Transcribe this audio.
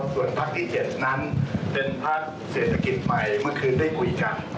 ส่วนพักที่๗นั้นเป็นพักเศรษฐกิจใหม่เมื่อคืนได้คุยกัน